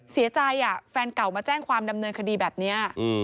เสียใจแฟนเก่ามาแจ้งความดำเนินคดีแบบนี้